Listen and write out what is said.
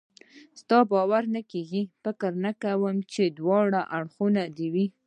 ستا باور نه کېږي؟ فکر نه کوم چې دواړه اړخونه دې.